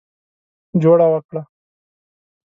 جوړه وکړه.